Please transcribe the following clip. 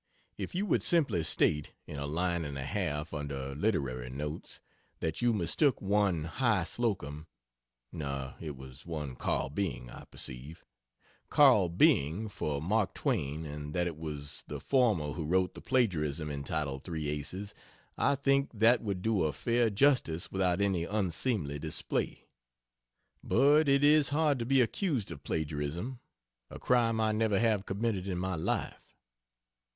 If you would simply state, in a line and a half under "Literary Notes," that you mistook one "Hy. Slocum" (no, it was one "Carl Byng," I perceive) "Carl Byng" for Mark Twain, and that it was the former who wrote the plagiarism entitled "Three Aces," I think that would do a fair justice without any unseemly display. But it is hard to be accused of plagiarism a crime I never have committed in my life.